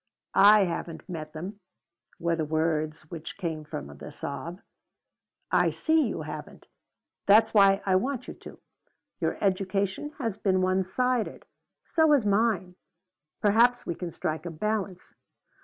"I haven't met them," were the words which came from the sob. "I see you haven't; that's why I want you to. Your education has been one sided. So has mine. Perhaps we can strike a balance.